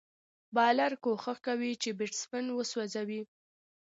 بالر کوښښ کوي، چي بېټسمېن وسوځوي.